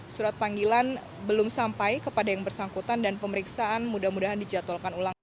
surat panggilan belum sampai kepada yang bersangkutan dan pemeriksaan mudah mudahan dijadwalkan ulang